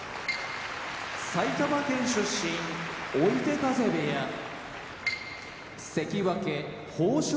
埼玉県出身追手風部屋関脇豊昇